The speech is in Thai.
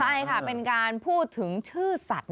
ใช่ค่ะเป็นการพูดถึงชื่อสัตว